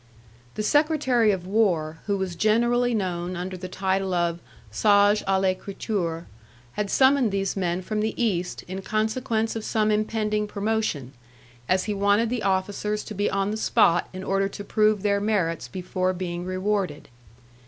The secretary of war, who was generally known under the title of 'sage a l'ecriture', had summoned these men from the East in consequence of some impending promotion, as he wanted the officers to be on the spot in order to prove their merits before being rewarded.